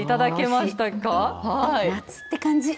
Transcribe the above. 夏って感じ。